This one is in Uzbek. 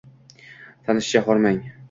Tanishcha: Hormang